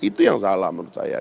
itu yang salah menurut saya